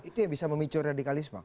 itu yang bisa memicu radikalisme